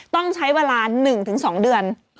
ต้องใช้เวลา๑๒เดือน